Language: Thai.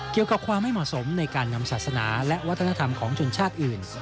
เกี่ยวกับความไม่เหมาะสมในการนำศาสนาและวัฒนธรรมของชนชาติอื่น